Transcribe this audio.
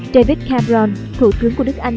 david cameron thủ tướng của đức anh